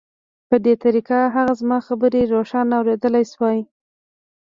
په دې طریقه هغه زما خبرې روښانه اورېدلای شوې